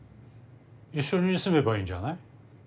一緒に住めばいいんじゃない？